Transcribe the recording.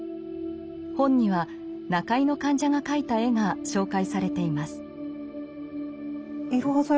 本には中井の患者が描いた絵が紹介されています。